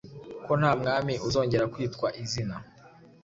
ko nta mwami uzongera kwitwa izina